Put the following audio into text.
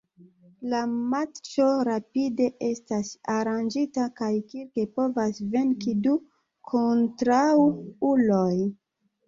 La matĉo rapide estas aranĝita kaj Kirk povas venki du kontraŭulojn.